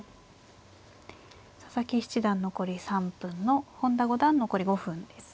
佐々木七段残り３分の本田五段残り５分です。